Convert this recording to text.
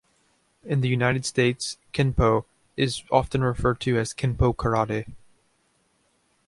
In the United States, kenpo is often referred to as "Kenpo Karate".